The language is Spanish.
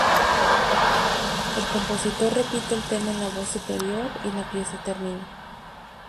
El compositor repite el tema en la voz superior y la pieza termina.